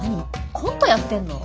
コントやってんの？